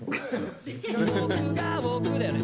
僕が僕だよね。